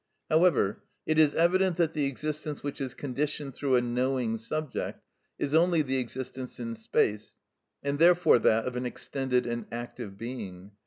However, it is evident that the existence which is conditioned through a knowing subject is only the existence in space, and therefore that of an extended and active being.